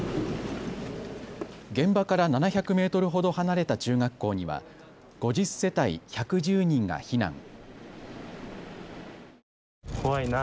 現場から７００メートルほど離れた中学校には５０世帯１１０人が避難。